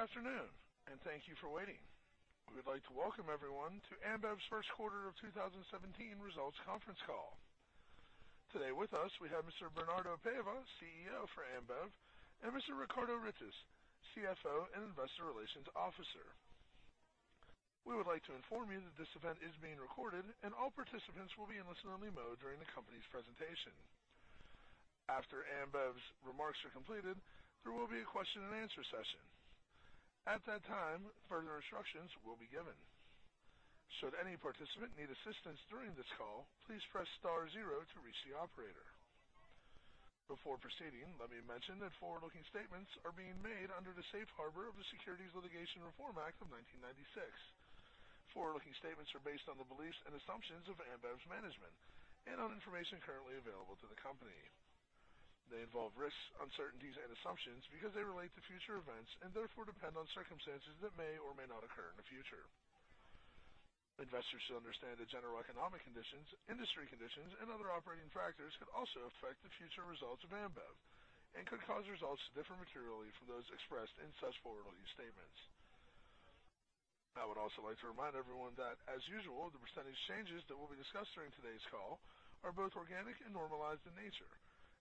Good afternoon and thank you for waiting. We would like to welcome everyone to Ambev's first quarter of 2017 results conference call. Today with us, we have Mr. Bernardo Paiva, CEO for Ambev, and Mr. Ricardo Rittes, CFO and Investor Relations Officer. We would like to inform you that this event is being recorded, and all participants will be in listen-only mode during the company's presentation. After Ambev's remarks are completed, there will be a question-and-answer session. At that time, further instructions will be given. Should any participant need assistance during this call, please press star zero to reach the operator. Before proceeding, let me mention that forward-looking statements are being made under the safe harbor of the Private Securities Litigation Reform Act of 1995. Forward-looking statements are based on the beliefs and assumptions of Ambev's management and on information currently available to the company. They involve risks, uncertainties, and assumptions because they relate to future events and therefore depend on circumstances that may or may not occur in the future. Investors should understand that general economic conditions, industry conditions, and other operating factors could also affect the future results of Ambev and could cause results to differ materially from those expressed in such forward-looking statements. I would also like to remind everyone that, as usual, the percentage changes that will be discussed during today's call are both organic and normalized in nature,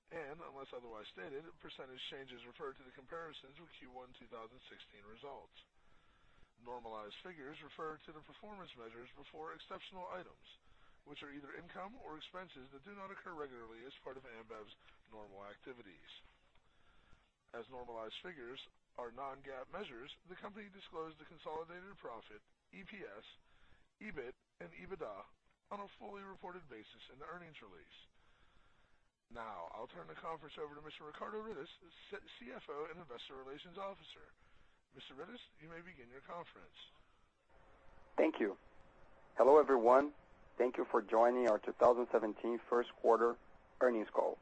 and unless otherwise stated, percentage changes refer to the comparisons with Q1 2016 results. Normalized figures refer to the performance measures before exceptional items, which are either income or expenses that do not occur regularly as part of Ambev's normal activities. As normalized figures are non-GAAP measures, the company disclosed the consolidated profit, EPS, EBIT, and EBITDA on a fully reported basis in the earnings release. Now, I'll turn the conference over to Mr. Ricardo Rittes, CFO and Investor Relations Officer. Mr. Rittes, you may begin your conference. Thank you. Hello, everyone. Thank you for joining our 2017 first quarter earnings call.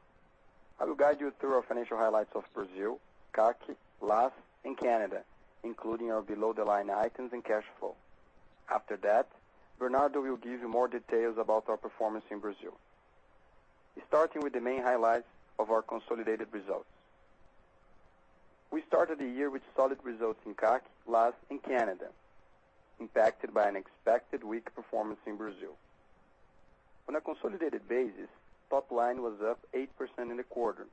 I will guide you through our financial highlights of Brazil, CAC, LAS, and Canada, including our below-the-line items and cash flow. After that, Bernardo will give you more details about our performance in Brazil. Starting with the main highlights of our consolidated results. We started the year with solid results in CAC, LAS, and Canada, impacted by an expected weak performance in Brazil. On a consolidated basis, top line was up 8% in the quarter,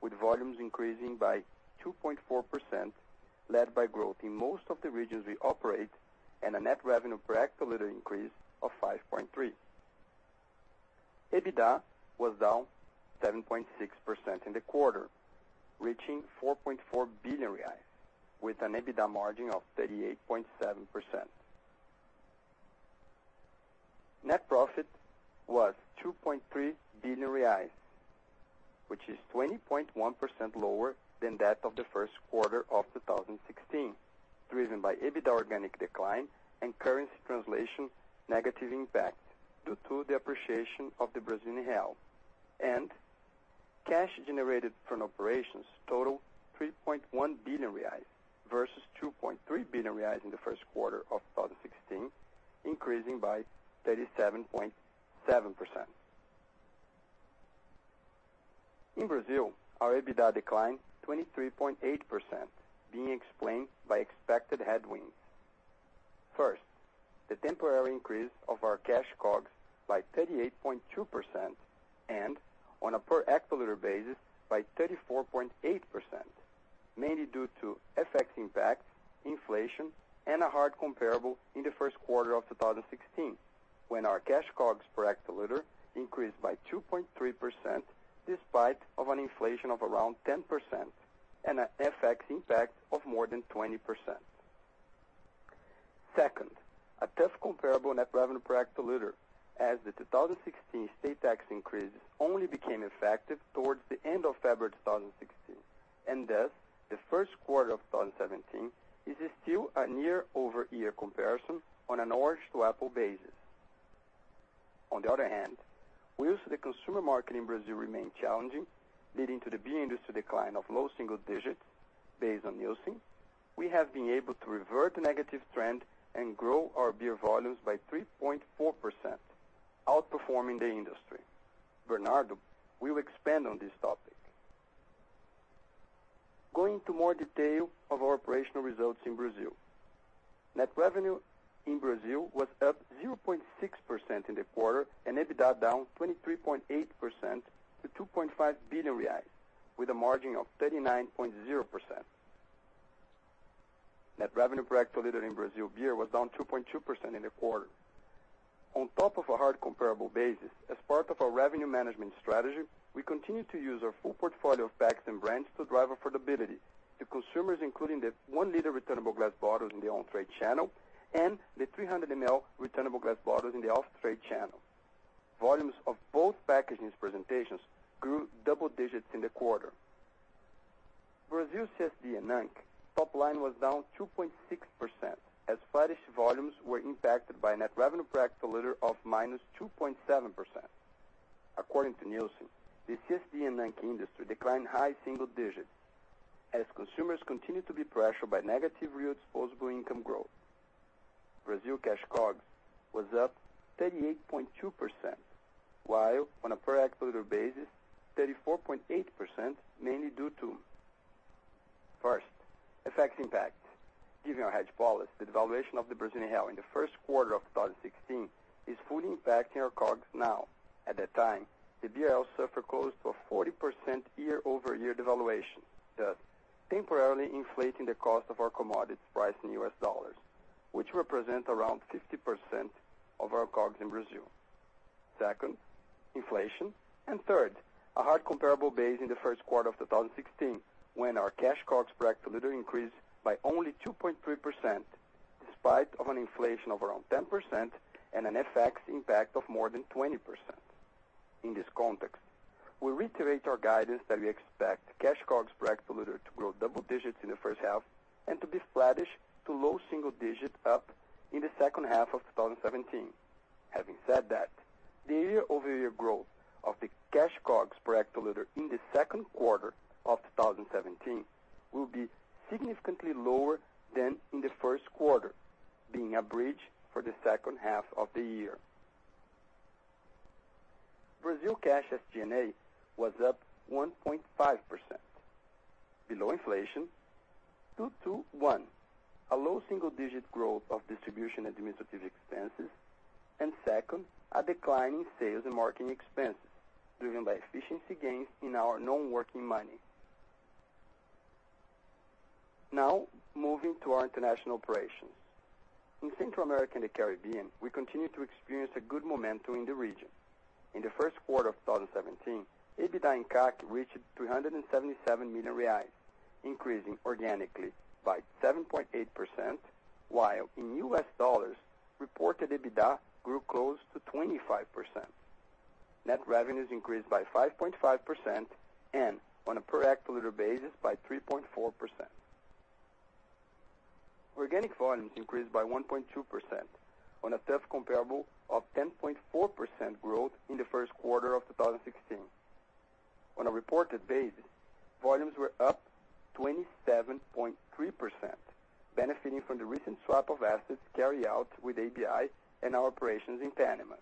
with volumes increasing by 2.4%, led by growth in most of the regions we operate and a net revenue per hectoliter increase of 5.3%. EBITDA was down 7.6% in the quarter, reaching 4.4 billion reais, with an EBITDA margin of 38.7%. Net profit was 2.3 billion reais, which is 20.1% lower than that of the first quarter of 2016, driven by EBITDA organic decline and currency translation negative impact due to the appreciation of the Brazilian real. Cash generated from operations totaled 3.1 billion reais versus 2.3 billion reais in the first quarter of 2016, increasing by 37.7%. In Brazil, our EBITDA declined 23.8%, being explained by expected headwinds. First, the temporary increase of our cash COGS by 38.2% and on a per hectoliter basis by 34.8%, mainly due to FX impacts, inflation, and a hard comparable in the first quarter of 2016, when our cash COGS per hectoliter increased by 2.3% despite of an inflation of around 10% and an FX impact of more than 20%. Second, a tough comparable net revenue per hectoliter as the 2016 state tax increases only became effective towards the end of February 2016, and thus the first quarter of 2017 is still a year-over-year comparison on an apples-to-oranges basis. On the other hand, we will see the consumer market in Brazil remain challenging, leading to the beer industry decline of low single digits based on Nielsen. We have been able to revert the negative trend and grow our beer volumes by 3.4%, outperforming the industry. Bernardo will expand on this topic. Going into more detail of our operational results in Brazil. Net revenue in Brazil was up 0.6% in the quarter and EBITDA down 23.8% to 2.5 billion reais with a margin of 39.0%. Net revenue per hectoliter in Brazil beer was down 2.2% in the quarter. On top of a hard comparable basis, as part of our revenue management strategy, we continued to use our full portfolio of packs and brands to drive affordability to consumers, including the 1 L returnable glass bottles in the on-trade channel and the 300 mL returnable glass bottles in the off-trade channel. Volumes of both packaging presentations grew double digits in the quarter. Brazil CSD&NA top line was down 2.6% as furnished volumes were impacted by net revenue per hectoliter of -2.7%. According to Nielsen, the CSD&NA industry declined high single digits as consumers continued to be pressured by negative real disposable income growth. Brazil cash COGS was up 38.2%, while on a per hectoliter basis, 34.8% mainly due to, first, FX impact. Given our hedge policy, the devaluation of the Brazilian real in the first quarter of 2016 is fully impacting our COGS now. At that time, the BRL suffered close to a 40% year-over-year devaluation, thus temporarily inflating the cost of our commodities priced in U.S. Dollars, which represent around 50% of our COGS in Brazil. Second, inflation, and third, a hard comparable base in the first quarter of 2016 when our cash COGS per hectoliter increased by only 2.3% despite of an inflation of around 10% and an FX impact of more than 20%. In this context, we reiterate our guidance that we expect cash COGS per hectoliter to grow double digits in the first half and to be flattish to low single digit up in the second half of 2017. Having said that, the year-over-year growth of the cash COGS per hectoliter in the second quarter of 2017 will be significantly lower than in the first quarter, being a bridge for the second half of the year. Brazil cash SG&A was up 1.5% below inflation due to, one, a low single-digit growth of distribution administrative expenses, and second, a decline in sales and marketing expenses driven by efficiency gains in our non-working money. Now moving to our international operations. In Central America and the Caribbean, we continue to experience a good momentum in the region. In the first quarter of 2017, EBITDA in CAC reached 377 million reais, increasing organically by 7.8%, while in U.S. dollars reported EBITDA grew close to 25%. Net revenues increased by 5.5% and on a per hectoliter basis by 3.4%. Organic volumes increased by 1.2% on a tough comparable of 10.4% growth in the first quarter of 2016. On a reported basis, volumes were up 27.3%, benefiting from the recent swap of assets carried out with ABI and our operations in Panama.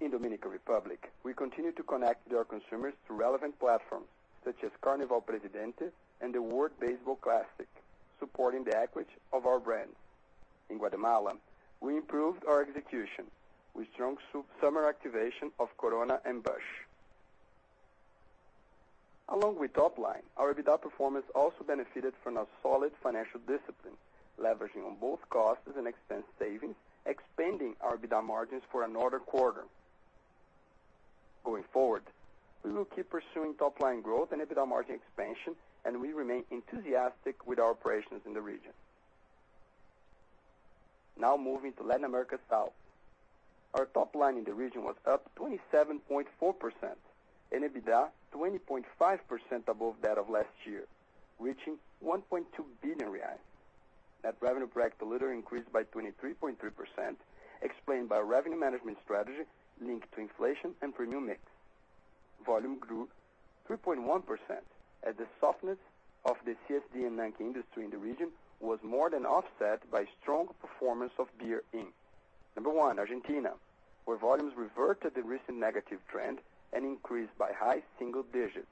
In Dominican Republic, we continue to connect with our consumers through relevant platforms such as Carnaval Presidente and the World Baseball Classic, supporting the equity of our brands. In Guatemala, we improved our execution with strong super-summer activation of Corona and Busch. Along with top line, our EBITDA performance also benefited from a solid financial discipline, leveraging on both costs and expense saving, expanding our EBITDA margins for another quarter. Going forward, we will keep pursuing top line growth and EBITDA margin expansion, and we remain enthusiastic with our operations in the region. Now moving to Latin America South. Our top line in the region was up 27.4% and EBITDA 20.5% above that of last year, reaching 1.2 billion reais. Net revenue per hectoliter increased by 23.3%, explained by revenue management strategy linked to inflation and premium mix. Volume grew 3.1% as the softness of the CSD and NAB industry in the region was more than offset by strong performance of beer in, number one, Argentina, where volumes reverted the recent negative trend and increased by high single digits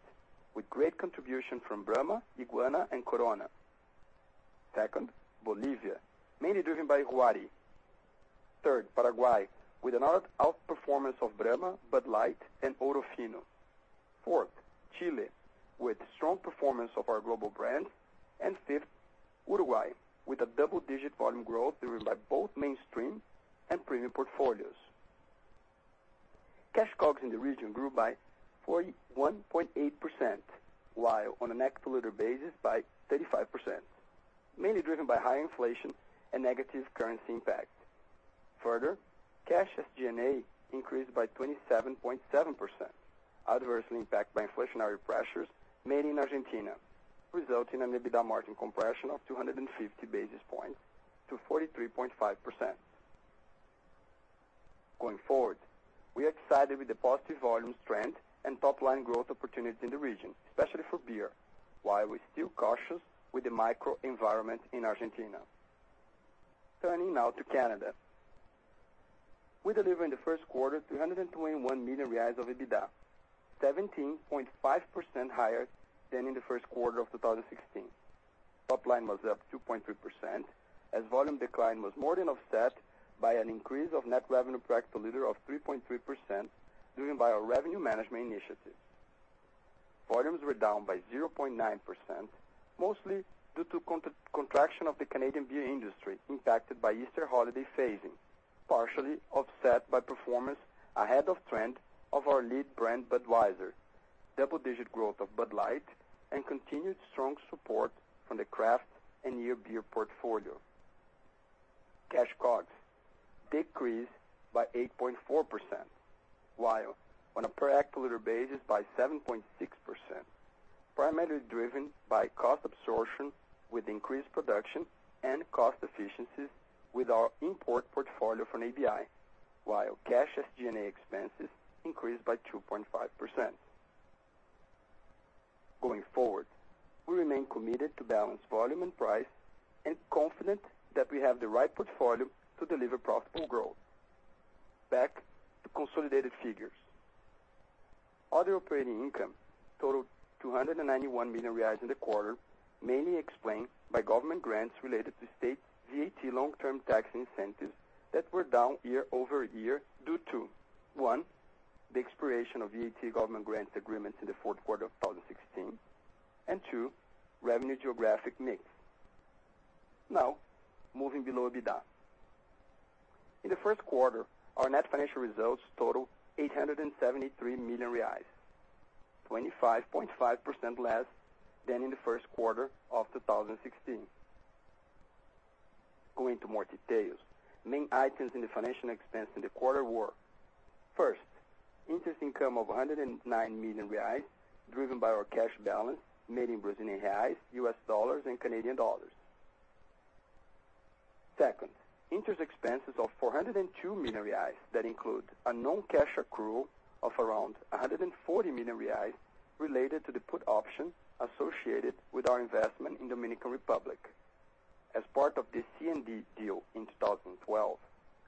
with great contribution from Brahma, Iguana and Corona. Second, Bolivia, mainly driven by Huari. Third, Paraguay, with another outperformance of Brahma, Bud Light and Ouro Fino. Fourth, Chile, with strong performance of our global brands. Fifth, Uruguay, with a double-digit volume growth driven by both mainstream and premium portfolios. Cash COGS in the region grew by 41.8%, while on a hectoliter basis by 35%, mainly driven by high inflation and negative currency impact. Further, cash SG&A increased by 27.7%, adversely impacted by inflationary pressures in Argentina, resulting in an EBITDA margin compression of 250 basis points to 43.5%. Going forward, we are excited with the positive volume strength and top-line growth opportunities in the region, especially for beer, while we're still cautious with the macro environment in Argentina. Turning now to Canada. We delivered in the first quarter 221 million reais of EBITDA, 17.5% higher than in the first quarter of 2016. Top line was up 2.3% as volume decline was more than offset by an increase of net revenue per hectoliter of 3.3% driven by our revenue management initiatives. Volumes were down by 0.9%, mostly due to contraction of the Canadian beer industry impacted by Easter holiday phasing, partially offset by performance ahead of trend of our lead brand, Budweiser, double-digit growth of Bud Light and continued strong support from the craft and near beer portfolio. Cash COGS decreased by 8.4%, while on a per hectoliter basis by 7.6%, primarily driven by cost absorption with increased production and cost efficiencies with our import portfolio from ABI, while cash SG&A expenses increased by 2.5%. Going forward, we remain committed to balance volume and price, and confident that we have the right portfolio to deliver profitable growth. Back to consolidated figures. Other operating income totaled 291 million reais in the quarter, mainly explained by government grants related to state VAT long-term tax incentives that were down year-over-year due to, one, the expiration of VAT government grant agreements in the fourth quarter of 2016, and two, revenue geographic mix. Now, moving below EBITDA. In the first quarter, our net financial results totaled 873 million reais, 25.5% less than in the first quarter of 2016. Going to more details. Main items in the financial expense in the quarter were, first, interest income of 109 million reais, driven by our cash balance made in Brazilian reals, U.S. Dollars, and Canadian dollars. Second, interest expenses of 402 million reais that include a non-cash accrual of around 140 million reais related to the put option associated with our investment in Dominican Republic. As part of the C&D deal in 2012,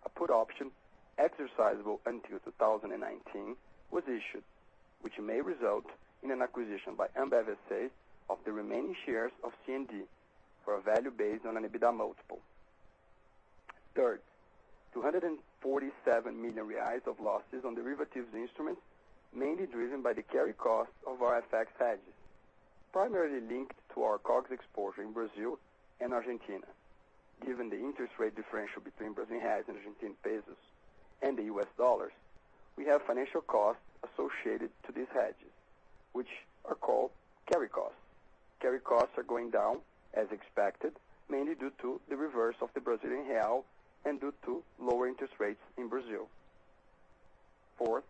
a put option exercisable until 2019 was issued, which may result in an acquisition by Ambev S.A. of the remaining shares of C&D for a value based on an EBITDA multiple. Third, 247 million reais of losses on derivatives instruments, mainly driven by the carry costs of our FX hedges, primarily linked to our COGS exposure in Brazil and Argentina. Given the interest rate differential between Brazilian reals and Argentine pesos and the U.S. Dollars, we have financial costs associated to these hedges, which are called carry costs. Carry costs are going down as expected, mainly due to the reversal of the Brazilian real and due to lower interest rates in Brazil. Fourth,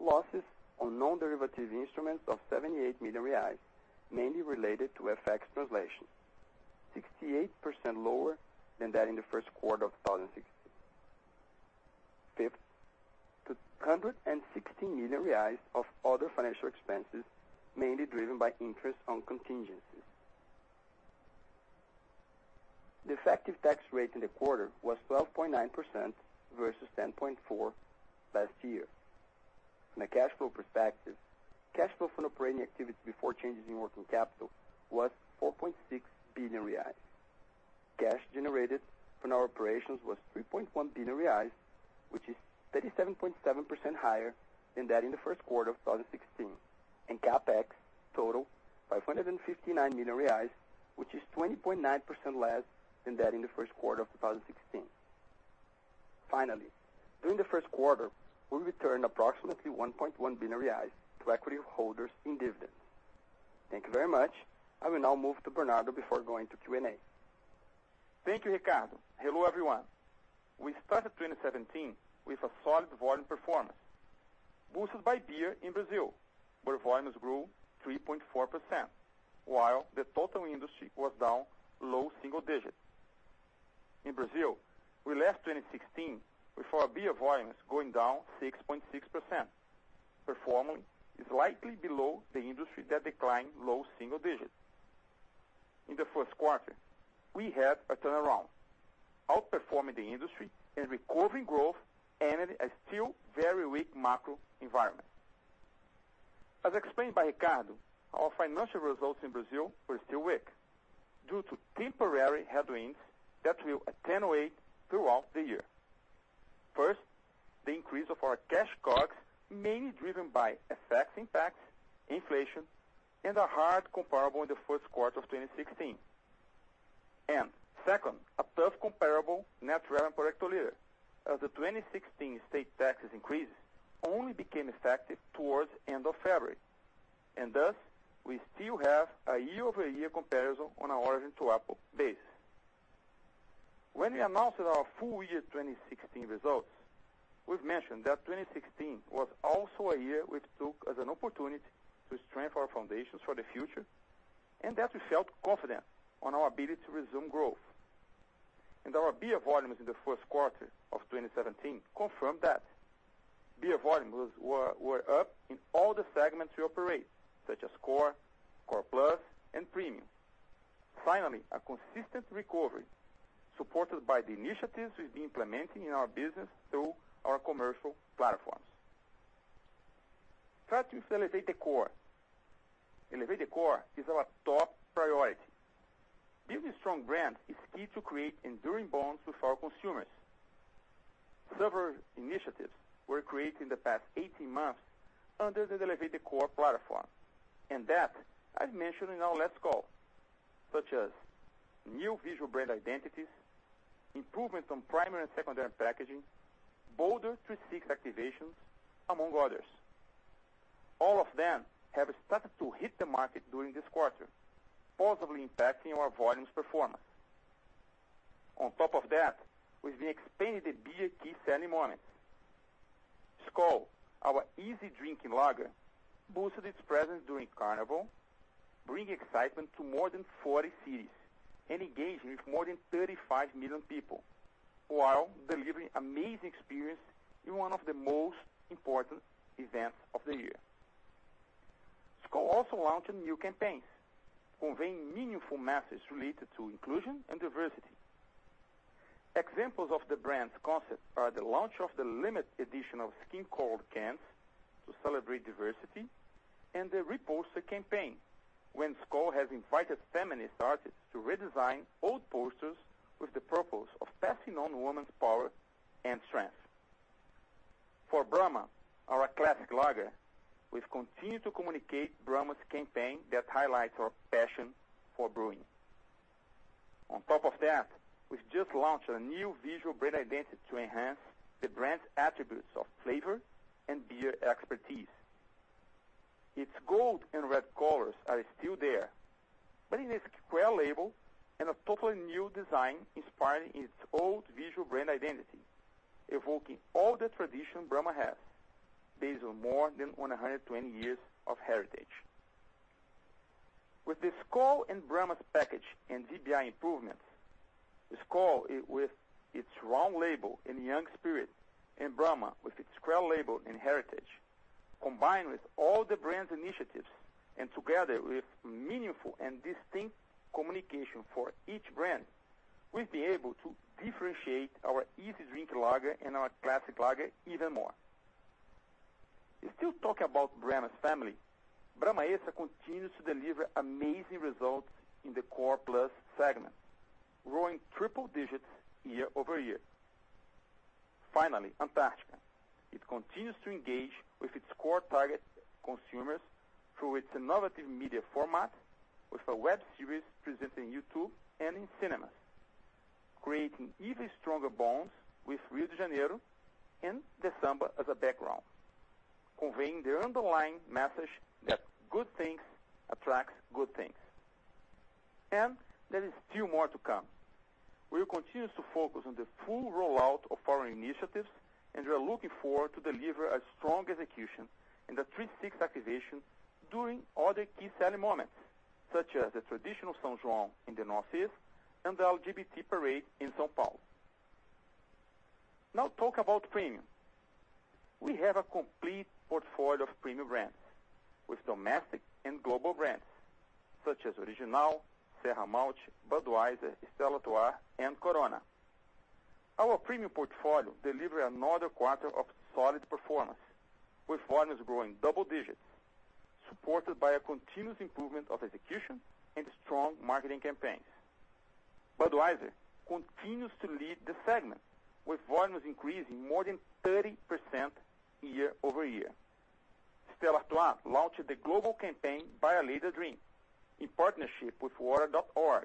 losses on non-derivative instruments of 78 million reais, mainly related to FX translation, 68% lower than that in the first quarter of 2016. Fifth, 216 million reais of other financial expenses, mainly driven by interest on contingencies. The effective tax rate in the quarter was 12.9% versus 10.4% last year. From a cash flow perspective, cash flow from operating activity before changes in working capital was 4.6 billion reais. Cash generated from our operations was 3.1 billion reais, which is 37.7% higher than that in the first quarter of 2016, and CapEx totaled 559 million reais, which is 20.9% less than that in the first quarter of 2016. Finally, during the first quarter, we returned approximately 1.1 billion reais to equity holders in dividends. Thank you very much. I will now move to Bernardo before going to Q&A. Thank you, Ricardo. Hello, everyone. We started 2017 with a solid volume performance boosted by beer in Brazil, where volumes grew 3.4%, while the total industry was down low single digits. In Brazil, we left 2016 with our beer volumes going down 6.6%, performing slightly below the industry that declined low single digits. In the first quarter, we had a turnaround, outperforming the industry and recovering growth amid a still very weak macro environment. As explained by Ricardo, our financial results in Brazil were still weak due to temporary headwinds that will attenuate throughout the year. First, the increase of our cash costs, mainly driven by FX impacts, inflation, and a hard comparable in the first quarter of 2016. Second, a tough comparable net revenue per hectoliter, as the 2016 state taxes increase only became effective toward end of February. Thus, we still have a year-over-year comparison on an organic apple-to-apple basis. When we announced our full year 2016 results, we've mentioned that 2016 was also a year we took as an opportunity to strengthen our foundations for the future and that we felt confident on our ability to resume growth. Our beer volumes in the first quarter of 2017 confirmed that. Beer volumes were up in all the segments we operate, such as Core Plus, and Premium. Finally, a consistent recovery supported by the initiatives we've been implementing in our business through our commercial platforms. First, we Elevate the Core. Elevate the Core is our top priority. Building strong brand is key to create enduring bonds with our consumers. Several initiatives were created in the past 18 months under the Elevate the Core platform, and that I've mentioned in our last call, such as new visual brand identities, improvements on primary and secondary packaging, bolder 360-degree activations, among others. All of them have started to hit the market during this quarter, positively impacting our volumes performance. On top of that, we've been expanding the beer key selling moments. Skol, our easy drinking lager, boosted its presence during Carnival, bringing excitement to more than 40 cities and engaging with more than 35 million people. While delivering amazing experience in one of the most important events of the year. Skol also launched new campaigns conveying meaningful message related to inclusion and diversity. Examples of the brand's concept are the launch of the limited edition of skin-colored cans to celebrate diversity and the Repost campaign, when Skol has invited feminist artists to redesign old posters with the purpose of passing on women's power and strength. For Brahma, our classic lager, we've continued to communicate Brahma's campaign that highlights our passion for brewing. On top of that, we've just launched a new visual brand identity to enhance the brand's attributes of flavor and beer expertise. Its gold and red colors are still there, but in a square label and a totally new design inspired in its old visual brand identity, evoking all the tradition Brahma has based on more than 120 years of heritage. With the Skol and Brahma's package and VBI improvements, Skol with its round label and young spirit, and Brahma with its square label and heritage, combined with all the brands initiatives and together with meaningful and distinct communication for each brand, we've been able to differentiate our easy drink lager and our classic lager even more. Still talking about Brahma's family, Brahma Extra continues to deliver amazing results in the Core Plus segment, growing triple digits year-over-year. Finally, Antarctica. It continues to engage with its core target consumers through its innovative media format, with a web series presented in YouTube and in cinemas, creating even stronger bonds with Rio de Janeiro and the samba as a background, conveying the underlying message that good things attract good things. There is still more to come. We will continue to focus on the full rollout of our initiatives, and we are looking forward to deliver a strong execution in the 360 activation during other key selling moments, such as the traditional São João in the Northeast and the LGBT parade in São Paulo. Now talk about premium. We have a complete portfolio of premium brands with domestic and global brands such as Original, Serra Malte, Budweiser, Stella Artois, and Corona. Our premium portfolio delivered another quarter of solid performance with volumes growing double digits, supported by a continuous improvement of execution and strong marketing campaigns. Budweiser continues to lead the segment with volumes increasing more than 30% year-over-year. Stella Artois launched the global campaign, buy a Lady a Drink, in partnership with Water.org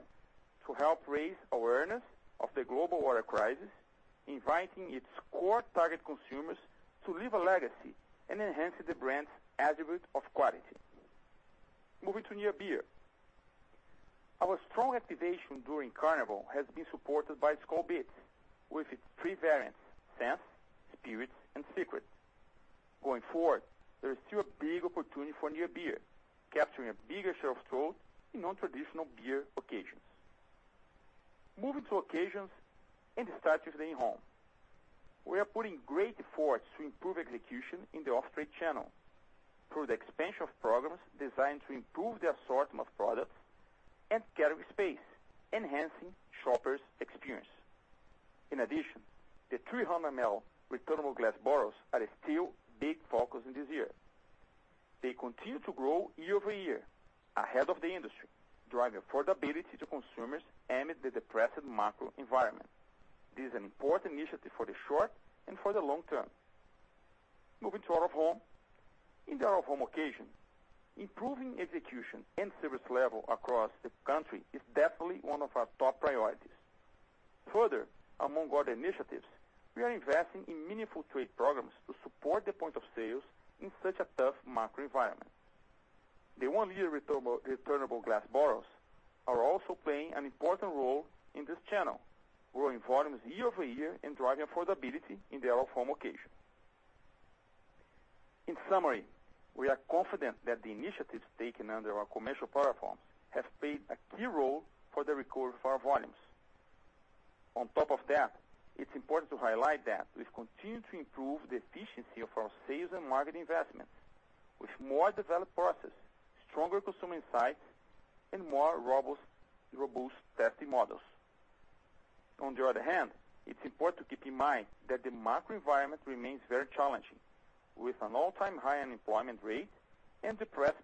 to help raise awareness of the global water crisis, inviting its core target consumers to leave a legacy and enhance the brand's attribute of quality. Moving to near beer. Our strong activation during Carnival has been supported by Skol Beats with its three variants, Senses, Spirit and Secret. Going forward, there is still a big opportunity for near beer, capturing a bigger share of throat in non-traditional beer occasions. Moving to occasions and start with in-home. We are putting great efforts to improve execution in the off-trade channel through the expansion of programs designed to improve the assortment of products and category space, enhancing shoppers' experience. In addition, the 300 ml returnable glass bottles are still big focus in this year. They continue to grow year-over-year ahead of the industry, driving affordability to consumers amid the depressed macro environment. This is an important initiative for the short and for the long term. Moving to out of home. In the out of home occasion, improving execution and service level across the country is definitely one of our top priorities. Further, among other initiatives, we are investing in meaningful trade programs to support the point of sales in such a tough macro environment. The 1 L returnable glass bottles are also playing an important role in this channel, growing volumes year-over-year and driving affordability in the out of home occasion. In summary, we are confident that the initiatives taken under our commercial platforms have played a key role for the recovery of our volumes. On top of that, it's important to highlight that we've continued to improve the efficiency of our sales and marketing investments with more developed process, stronger consumer insights, and more robust testing models. On the other hand, it's important to keep in mind that the macro environment remains very challenging with an all-time high unemployment rate and depressed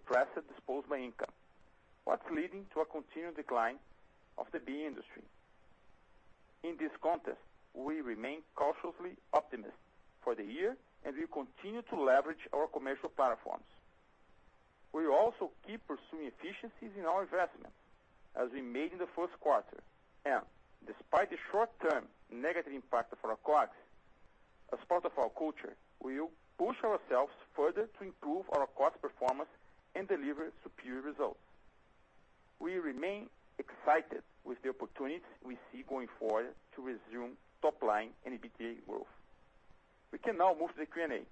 disposable income, what's leading to a continued decline of the beer industry. In this context, we remain cautiously optimistic for the year and we continue to leverage our commercial platforms. We will also keep pursuing efficiencies in our investment as we made in the first quarter. Despite the short-term negative impact of our COGS, as part of our culture, we will push ourselves further to improve our cost performance and deliver superior results. We remain excited with the opportunities we see going forward to resume top line and EBITDA growth. We can now move to the Q&A.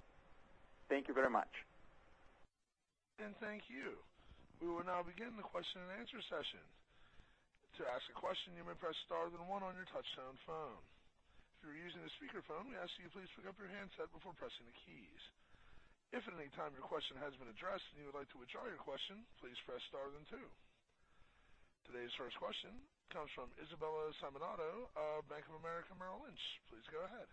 Thank you very much. Thank you. We will now begin the question-and-answer session. To ask a question, you may press star then one on your touchtone phone. If you're using a speakerphone, we ask you please pick up your handset before pressing the keys. If at any time your question has been addressed and you would like to withdraw your question, please press star then two. Today's first question comes from Isabella Simonato of Bank of America Merrill Lynch. Please go ahead.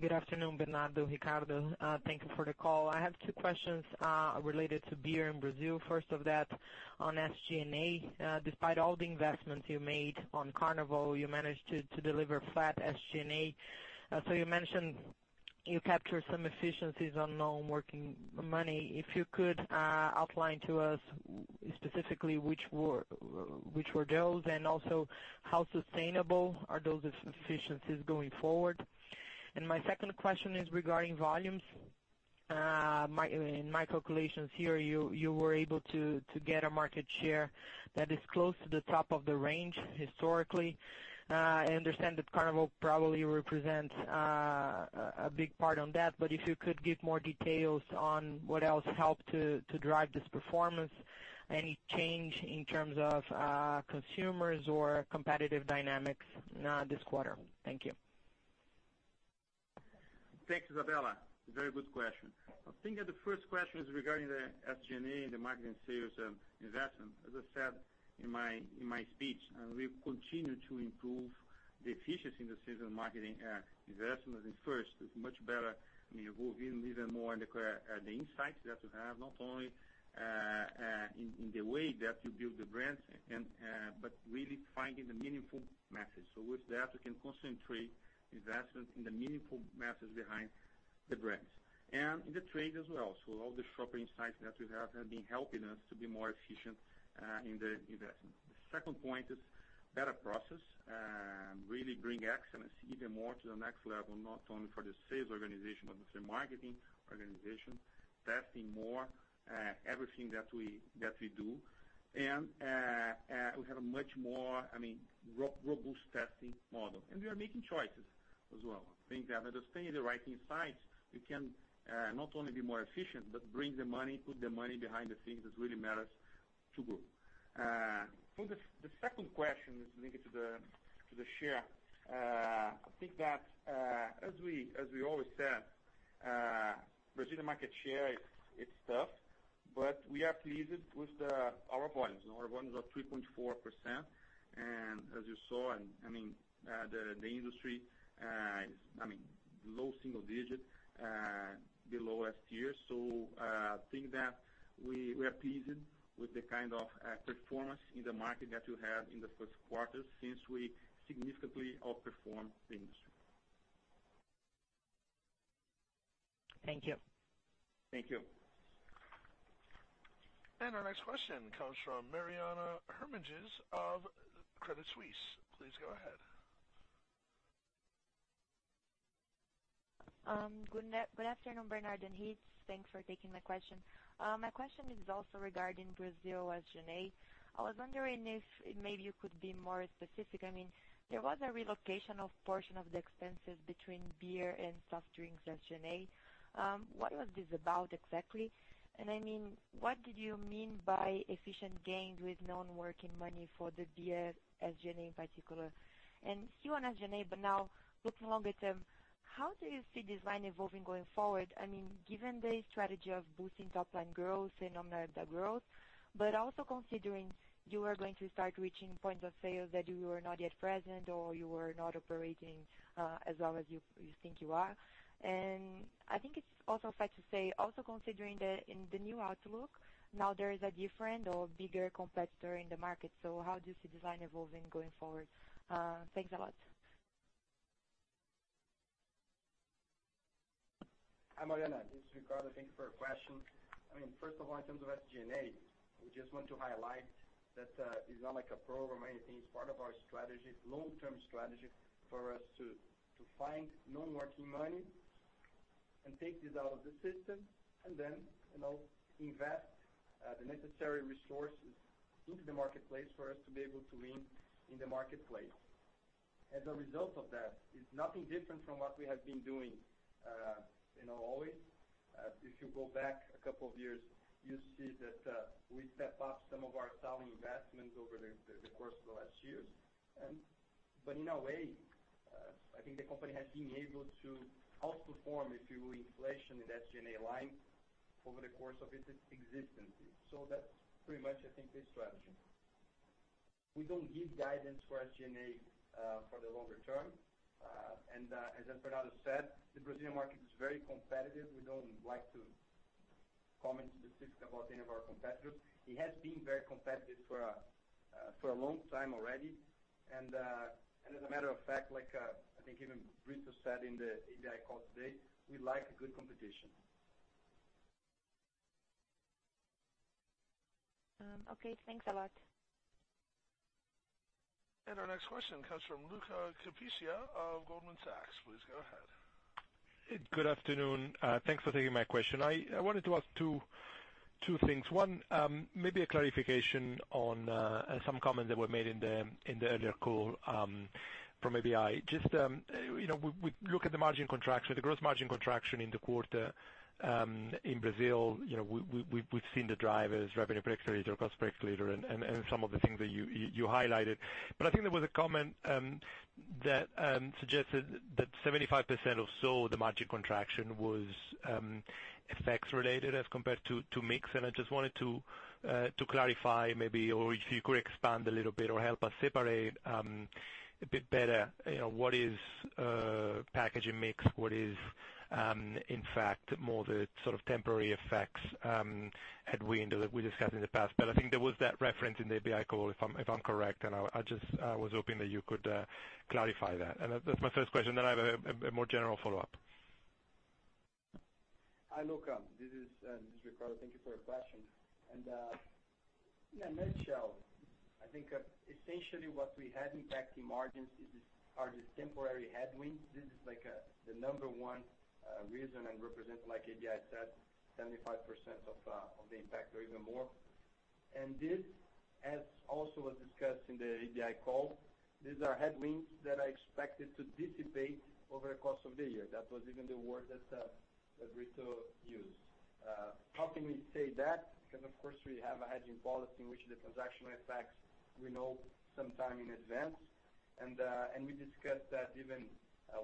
Good afternoon, Bernardo, Ricardo. Thank you for the call. I have two questions related to beer in Brazil. First of that, on SG&A. Despite all the investments you made on Carnival, you managed to deliver flat SG&A. You mentioned you captured some efficiencies on non-working money. If you could outline to us specifically which were those, and also how sustainable are those efficiencies going forward. My second question is regarding volumes. In my calculations here, you were able to get a market share that is close to the top of the range historically. I understand that Carnival probably represents a big part of that, but if you could give more details on what else helped to drive this performance. Any change in terms of, consumers or competitive dynamics, this quarter? Thank you. Thanks, Isabella. A very good question. I think that the first question is regarding the SG&A, the marketing sales investment. As I said in my speech, we've continued to improve the efficiency in the sales and marketing investment. First, it's much better. I mean, we're going even more in the insights that we have, not only in the way that you build the brands and, but really finding the meaningful message. With that, we can concentrate investment in the meaningful message behind the brands. In the trade as well. All the shopper insights that we have have been helping us to be more efficient in the investment. The second point is better process. Really bring excellence even more to the next level, not only for the sales organization but also marketing organization. Testing more, everything that we do. We have a much more, I mean, robust testing model. We are making choices as well. I think that understanding the right insights, we can not only be more efficient, but bring the money, put the money behind the things that really matters to grow. The second question is linked to the share. I think that as we always said, Brazilian market share is, it's tough, but we are pleased with our volumes. Our volumes are 3.4%. As you saw, I mean, the industry is, I mean, low single digit below last year. I think that we are pleased with the kind of performance in the market that we had in the first quarter since we significantly outperformed the industry. Thank you. Thank you. Our next question comes from Mariana Hernandez of Credit Suisse. Please go ahead. Good afternoon, Bernardo and Rittes. Thanks for taking my question. My question is also regarding Brazil SG&A. I was wondering if maybe you could be more specific. I mean, there was a relocation of portion of the expenses between beer and soft drinks SG&A. What was this about exactly? And I mean, what did you mean by efficiency gains with non-working money for the beer SG&A in particular? And still on SG&A, but now looking longer term, how do you see SG&A evolving going forward? I mean, given the strategy of boosting top-line growth and organic growth, but also considering you are going to start reaching points of sale that you were not yet present or you were not operating as well as you think you are. I think it's also fair to say, also considering the, in the new outlook, now there is a different or bigger competitor in the market. How do you see design evolving going forward? Thanks a lot. Hi, Mariana. This is Ricardo. Thank you for your question. I mean, first of all, in terms of SG&A, we just want to highlight that, it's not like a program or anything. It's part of our strategy, long-term strategy for us to find non-working money and take this out of the system and then, you know, invest the necessary resources into the marketplace for us to be able to win in the marketplace. As a result of that, it's nothing different from what we have been doing, you know, always. If you go back a couple of years, you see that we step up some of our selling investments over the course of the last years. In a way, I think the company has been able to outperform, if you will, inflation in SG&A line over the course of its existence. That's pretty much, I think, the strategy. We don't give guidance for SG&A for the longer term. As Bernardo said, the Brazilian market is very competitive. We don't like to comment specifically about any of our competitors. It has been very competitive for a long time already. As a matter of fact, like, I think even Brito said in the ABI call today, we like a good competition. Okay. Thanks a lot. Our next question comes from Luca Cipiccia of Goldman Sachs. Please go ahead. Good afternoon. Thanks for taking my question. I wanted to ask two things. One, maybe a clarification on some comments that were made in the earlier call from ABI. Just, you know, we look at the margin contraction, the gross margin contraction in the quarter, in Brazil, you know, we've seen the drivers, revenue per liter, cost per liter, and some of the things that you highlighted. I think there was a comment that suggested that 75% or so the margin contraction was FX-related as compared to mix. I just wanted to clarify maybe or if you could expand a little bit or help us separate a bit better, you know, what is packaging mix, what is in fact more the sort of temporary effects, headwind that we discussed in the past. I think there was that reference in the ABI call, if I'm correct, and I just was hoping that you could clarify that. That's my first question, then I have a more general follow-up. Hi, Luca. This is Ricardo. Thank you for your question. In a nutshell, I think, essentially what we had impacting margins are the temporary headwinds. This is like the number one reason and represent, like ABI said, 75% of the impact or even more. This, as was also discussed in the ABI call, these are headwinds that are expected to dissipate over the course of the year. That was even the word that Brito used. How can we say that? Because of course, we have a hedging policy in which the transaction effects we know some time in advance. We discussed that even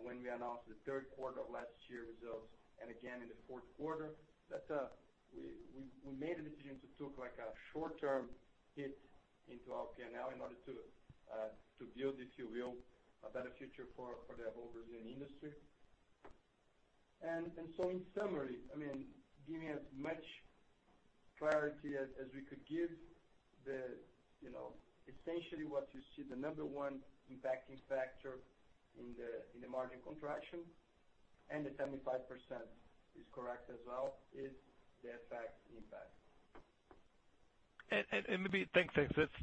when we announced the third quarter of last year results, and again in the fourth quarter, that we made a decision to take like a short-term hit into our P&L in order to build, if you will, a better future for the whole Brazilian industry. In summary, I mean, giving as much clarity as we could give, you know, essentially what you see, the number one impacting factor in the margin contraction, and the 75% is correct as well, is the effect impact. Thanks.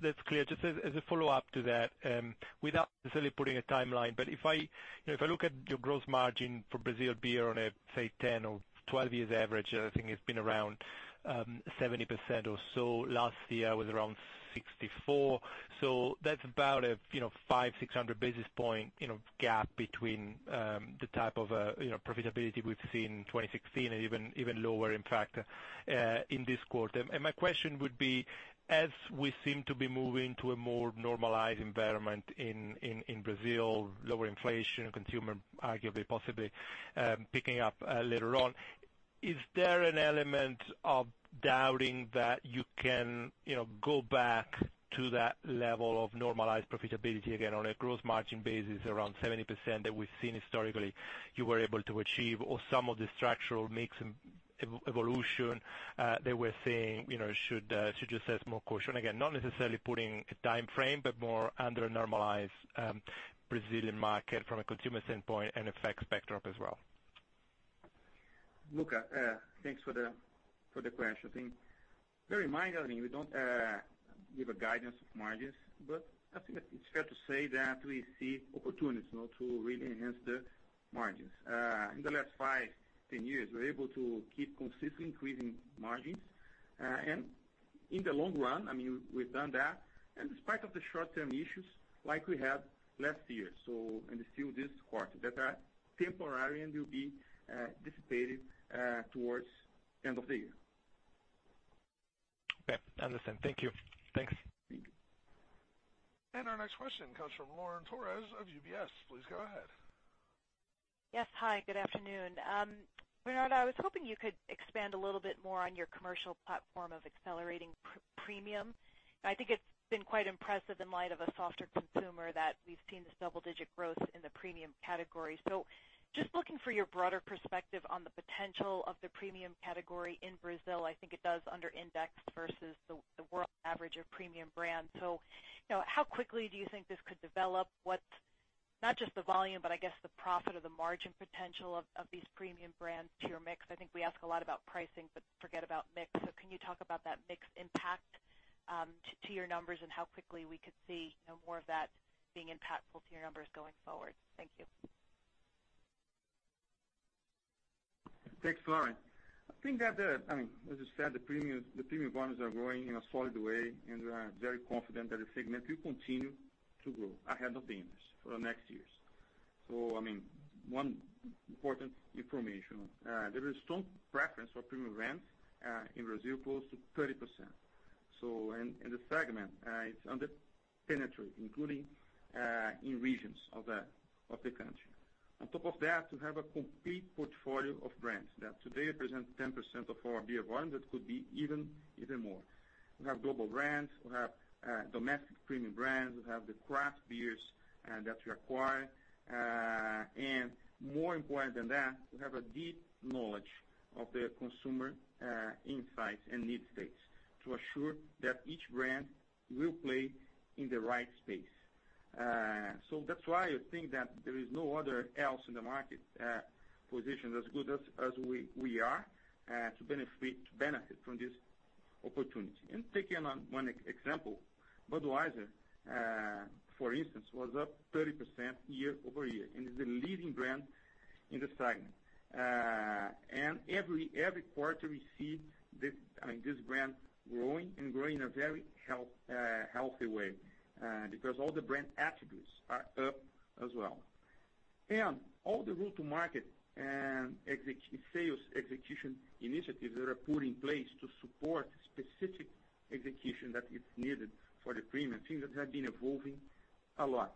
That's clear. Just as a follow-up to that, without necessarily putting a timeline, but if I, you know, if I look at your gross margin for Brazil beer on a, say, 10 or 12 years average, I think it's been around 70% or so. Last year was around 64%. That's about a, you know, 500-600 basis point gap between the type of profitability we've seen in 2016 and even lower, in fact, in this quarter. My question would be, as we seem to be moving to a more normalized environment in Brazil, lower inflation, consumer arguably possibly picking up later on, is there an element of doubting that you can, you know, go back to that level of normalized profitability again on a gross margin basis, around 70% that we've seen historically you were able to achieve, or some of the structural mix evolution that we're seeing, you know, should assess more caution? Again, not necessarily putting a time frame, but more under a normalized Brazilian market from a consumer standpoint and effects backdrop as well. Luca, thanks for the question. I think very minor. I mean, we don't give a guidance of margins, but I think it's fair to say that we see opportunities now to really enhance the margins. In the last five, 10 years, we're able to keep consistently increasing margins. In the long run, I mean, we've done that, and despite of the short-term issues like we had last year, so and still this quarter, that are temporary and will be dissipated towards end of the year. Okay, understand. Thank you. Thanks. Thank you. Our next question comes from Lauren Torres of UBS. Please go ahead. Yes. Hi, good afternoon. Bernardo, I was hoping you could expand a little bit more on your commercial platform of accelerating Premium. I think it's been quite impressive in light of a softer consumer that we've seen this double-digit growth in the Premium category. Just looking for your broader perspective on the potential of the Premium category in Brazil. I think it does under-index versus the world average of Premium brands. You know, how quickly do you think this could develop? What's not just the volume, but I guess the profit or the margin potential of these Premium brands to your mix? I think we ask a lot about pricing but forget about mix. Can you talk about that mix impact to your numbers and how quickly we could see more of that being impactful to your numbers going forward? Thank you. Thanks, Lauren. I think that, I mean, as you said, the premium brands are growing in a solid way, and we are very confident that the segment will continue to grow ahead of the industry for the next years. I mean, one important information, there is strong preference for premium brands in Brazil close to 30%. In the segment, it's under-penetrated, including in regions of the country. On top of that, we have a complete portfolio of brands that today represent 10% of our beer volume. That could be even more. We have global brands. We have domestic premium brands. We have the craft beers that we acquired. More important than that, we have a deep knowledge of the consumer, insights and need states to assure that each brand will play in the right space. That's why I think that there is no one else in the market positioned as good as we are to benefit from this opportunity. Taking one example, Budweiser, for instance, was up 30% year-over-year and is the leading brand in this segment. Every quarter we see this, I mean, this brand growing and growing in a very healthy way, because all the brand attributes are up as well. All the route to market and sales execution initiatives that are put in place to support specific execution that is needed for the premium, things that have been evolving a lot.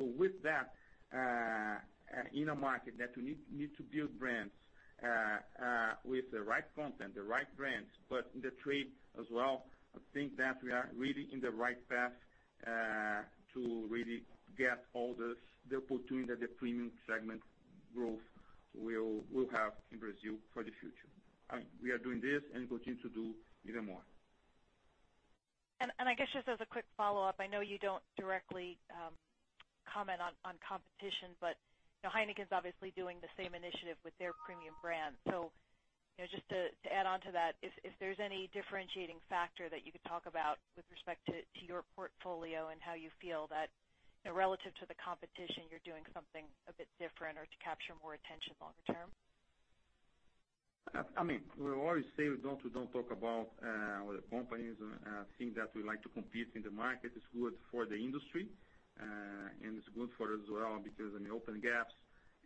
With that, in a market that we need to build brands, with the right content, the right brands, but in the trade as well, I think that we are really in the right path, to really get all this, the opportunity that the Premium segment growth will have in Brazil for the future. We are doing this and continue to do even more. I guess just as a quick follow-up, I know you don't directly comment on competition, but you know, Heineken's obviously doing the same initiative with their premium brand. You know, just to add on to that, if there's any differentiating factor that you could talk about with respect to your portfolio and how you feel that, you know, relative to the competition, you're doing something a bit different or to capture more attention longer term. I mean, we always say we don't talk about other companies and things that we like to compete in the market. It's good for the industry, and it's good for us as well because in the open gaps,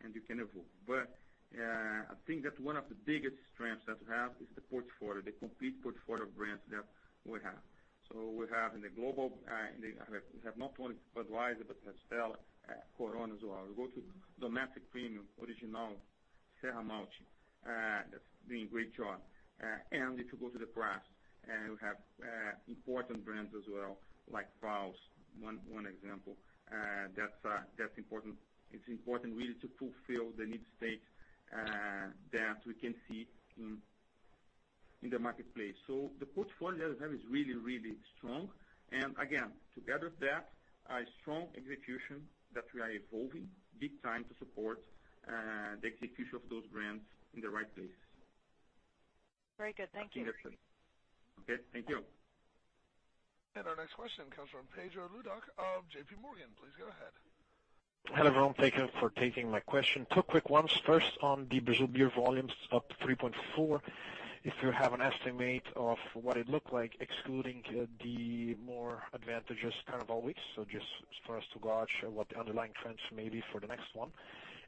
and you can evolve. I think that one of the biggest strengths that we have is the portfolio, the complete portfolio of brands that we have. We have in the global, we have not only Budweiser, but Stella, Corona as well. We go to domestic premium, Original, Serra Malte, that's doing a great job. And if you go to the crafts, we have important brands as well, like Colorado, one example, that's important. It's important really to fulfill the need states that we can see in the marketplace. The portfolio that we have is really, really strong. Again, together with that, a strong execution that we are evolving big time to support, the execution of those brands in the right place. Very good. Thank you. I think that's it. Okay. Thank you. Our next question comes from Pedro Leduc of JP Morgan. Please go ahead. Hello, everyone. Thank you for taking my question. Two quick ones. First, on the Brazil beer volumes up 3.4, if you have an estimate of what it looked like excluding the more advantageous Carnival weeks. So just for us to gauge what the underlying trends may be for the next one.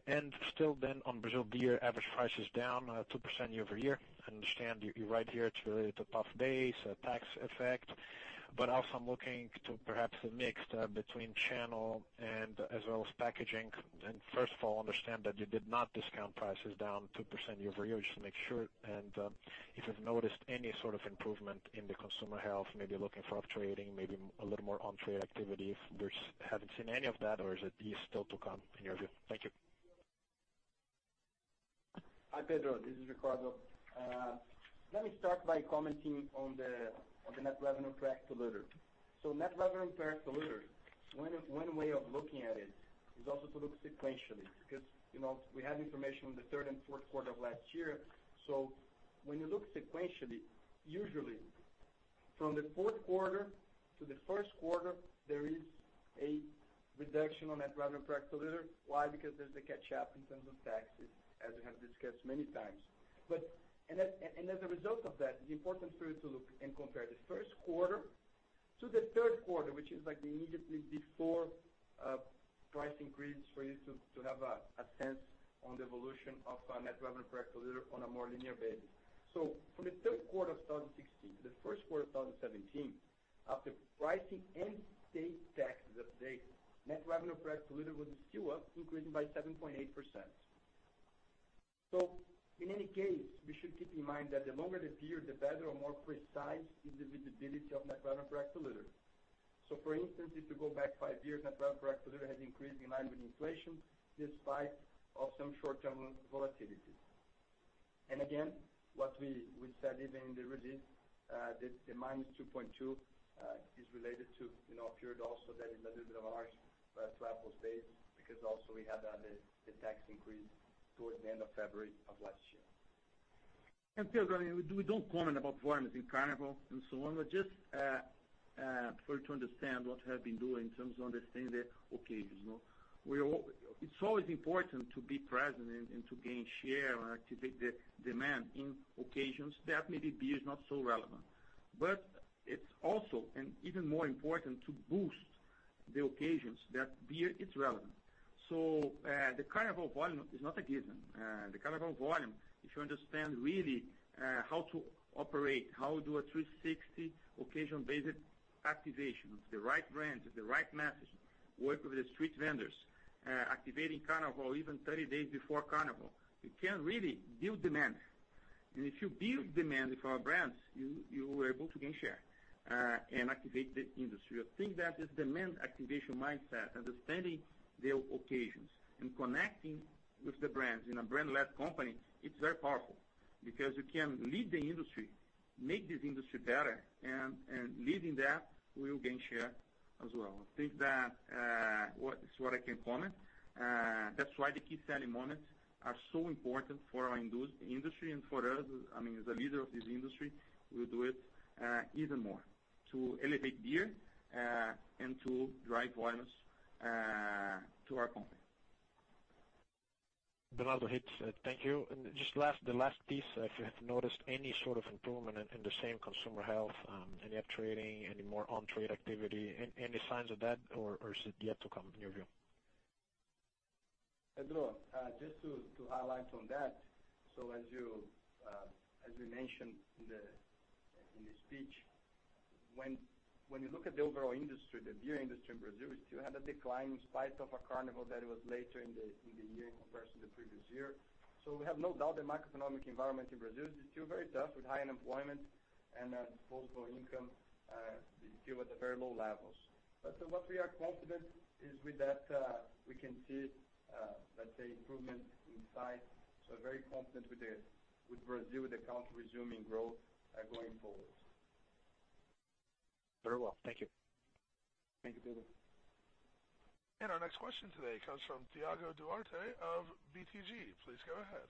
Then, still on Brazil beer, average price is down 2% year-over-year. I understand you're up against a tough base, a tax effect. But also, I'm looking into perhaps a mix between channel and as well as packaging. First of all, understand that you did not discount prices down 2% year-over-year, just to make sure. If you've noticed any sort of improvement in the consumer health, maybe looking for up trading, maybe a little more on-trade activity, or haven't seen any of that or is it still to come in your view? Thank you. Hi, Pedro. This is Ricardo. Let me start by commenting on the net revenue per hectoliter. Net revenue per hectoliter, one way of looking at it is also to look sequentially, because, you know, we have information on the third and fourth quarter of last year. When you look sequentially, usually from the fourth quarter to the first quarter, there is a reduction in net revenue per hectoliter. Why? Because there's the catch-up in terms of taxes, as we have discussed many times. And as a result of that, it's important for you to look and compare the first quarter to the third quarter, which is like immediately before price increase for you to have a sense of the evolution of net revenue per hectoliter on a more linear basis. For the third quarter of 2016 to the first quarter of 2017, after pricing and state taxes update, net revenue per hectoliter was still up, increasing by 7.8%. In any case, we should keep in mind that the longer the period, the better or more precise is the visibility of net revenue per hectoliter. For instance, if you go back five years, net revenue per hectoliter has increased in line with inflation despite some short-term volatility. Again, what we said even in the release, the -2.2% is related to, you know, a period also that is a little bit of a large 12-month base because also we had the tax increase towards the end of February of last year. Pedro, I mean, we don't comment about volumes in Carnival and so on. Just for you to understand what we have been doing in terms of understanding the occasions, you know? It's always important to be present and to gain share or activate the demand in occasions that maybe beer is not so relevant. It's also an even more important to boost the occasions that beer is relevant. The Carnival volume is not a given. The Carnival volume, if you understand really how to operate, how to do a 360 occasion-based activation with the right brands, with the right message, work with the street vendors, activating Carnival even 30 days before Carnival, you can really build demand. If you build demand for our brands, you are able to gain share and activate the industry. I think that this demand activation mindset, understanding the occasions and connecting with the brands in a brand-led company, it's very powerful because you can lead the industry, make this industry better and leading that will gain share as well. I think that it's what I can comment. That's why the key selling moments are so important for our industry and for us, I mean, as a leader of this industry, we'll do it, even more. To elevate beer, and to drive volumes, to our company. Bernardo, thank you. Just the last piece, if you have noticed any sort of improvement in the same consumer health, any up trading, any more on-trade activity, any signs of that or is it yet to come in your view? Pedro, just to highlight on that. As we mentioned in the speech, when you look at the overall industry, the beer industry in Brazil still had a decline in spite of a Carnival that was later in the year in comparison to the previous year. We have no doubt the macroeconomic environment in Brazil is still very tough with high unemployment and disposable income still at the very low levels. What we are confident is that we can see, let's say, improvement in sight. Very confident with Brazil, the country resuming growth, going forward. Very well. Thank you. Thank you, Pedro. Our next question today comes from Thiago Duarte of BTG. Please go ahead.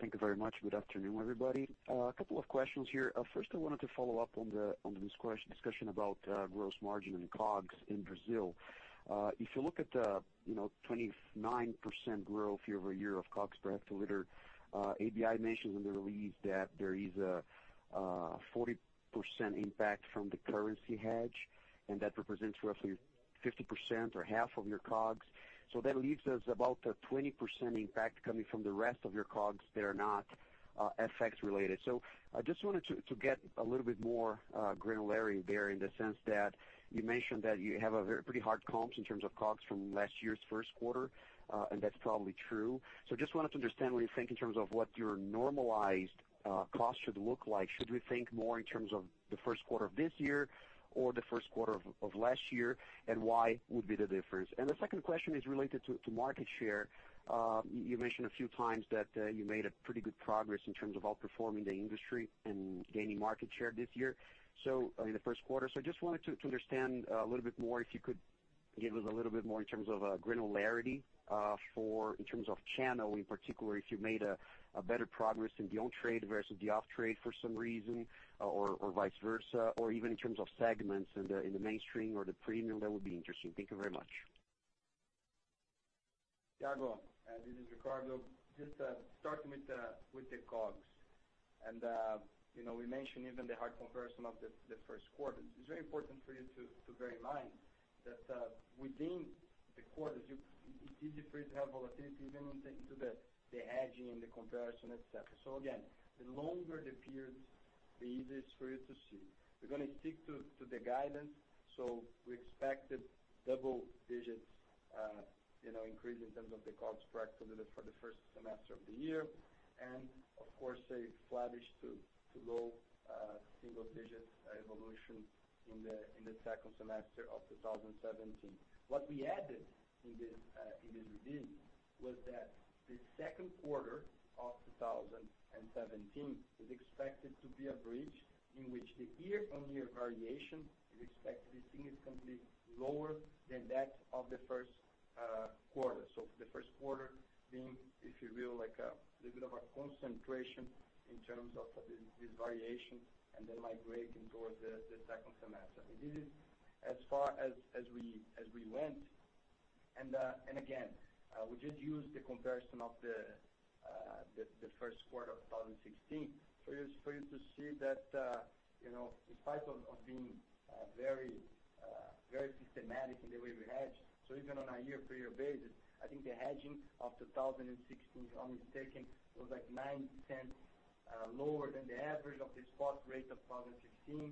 Thank you very much. Good afternoon, everybody. A couple of questions here. First, I wanted to follow up on this discussion about gross margin and COGS in Brazil. If you look at, you know, 29% growth year-over-year of COGS per hectoliter, ABI mentioned in the release that there is a 40% impact from the currency hedge, and that represents roughly 50% or half of your COGS. That leaves us about 20% impact coming from the rest of your COGS that are not FX related. I just wanted to get a little bit more granularity there in the sense that you mentioned that you have a very pretty hard comps in terms of COGS from last year's first quarter, and that's probably true. Just wanted to understand what you think in terms of what your normalized cost should look like. Should we think more in terms of the first quarter of this year or the first quarter of last year, and why would be the difference? The second question is related to market share. You mentioned a few times that you made a pretty good progress in terms of outperforming the industry and gaining market share this year, so in the first quarter. I just wanted to understand a little bit more, if you could give us a little bit more in terms of granularity for in terms of channel, in particular, if you made a better progress in the on-trade versus the off-trade for some reason, or vice versa, or even in terms of segments in the mainstream or the Premium. That would be interesting. Thank you very much. Thiago, this is Ricardo. Just starting with the COGS. You know, we mentioned even the hard comparison of the first quarter. It's very important for you to bear in mind that within the quarter, it is pretty high volatility even into the hedging and the comparison, et cetera. Again, the longer the periods, the easier it is for you to see. We're gonna stick to the guidance. We expect a double-digit increase in terms of the COGS per hectoliter for the first semester of the year. Of course, a flattish to low single-digit evolution in the second semester of 2017. What we added in this review was that the second quarter of 2017 is expected to be a bridge in which the year-on-year variation we expect to be significantly lower than that of the first quarter. The first quarter being, if you will, like a little bit of a concentration in terms of this variation and then migrating towards the second semester. This is as far as we went. Again, we just used the comparison of the first quarter of 2016 for you to see that, you know, in spite of being very systematic in the way we hedge, even on a year-to-year basis, I think the hedging of 2016 on the take was like 0.09 lower than the average of the spot rate of 2015.